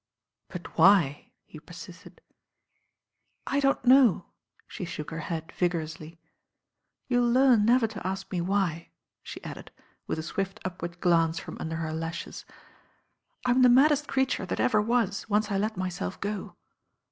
"But why?" he persisted. "I don't know," she shook her head vigorously. "You'll learn never to ask me why," she added, with a swift upward glance from under her lashes. "I'm the maddest creature that ever was, once I let myself go."